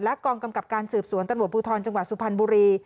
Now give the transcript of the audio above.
และกองกำกับการสืบสวนตบุทรจังหวัดสุพรรณบุรี